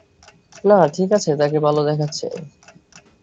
না - ঠিক আছে তাকে ভালো দেখাচ্ছে?